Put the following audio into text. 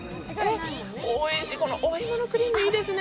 このお芋のクリーム、いいですね。